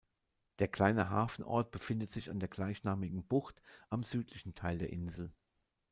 Der kleine Hafenort befindet sich an der gleichnamigen Bucht am südlichen Teil der Insel.